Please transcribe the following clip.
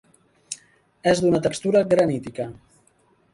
És d'una textura granítica.